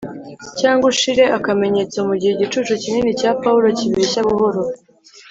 cyangwa ushire akamenyetso, mugihe igicucu kinini cya pawulo kibeshya buhoro